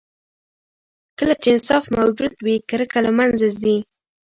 کله چې انصاف موجود وي، کرکه له منځه ځي.